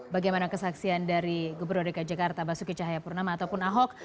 bagaimana kesaksian dari gubernur dki jakarta basuki cahayapurnama ataupun ahok